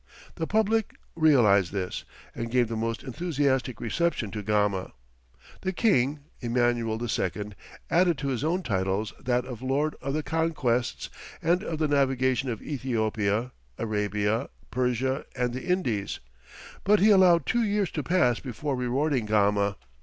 The public realized this, and gave the most enthusiastic reception to Gama. The King, Emmanuel II., added to his own titles that of Lord of the conquests and of the navigation of Ethiopia, Arabia, Persia, and the Indies; but he allowed two years to pass before rewarding Gama.